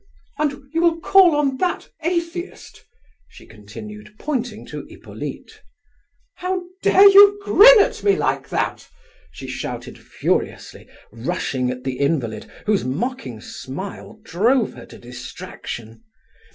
"And you will call on that atheist?" she continued, pointing to Hippolyte. "How dare you grin at me like that?" she shouted furiously, rushing at the invalid, whose mocking smile drove her to distraction.